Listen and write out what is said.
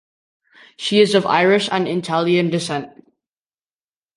She is of Irish and Italian descent.